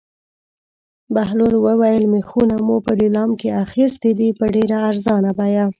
بهلول وویل: مېخونه مو په لېلام کې اخیستي دي په ډېره ارزانه بیه.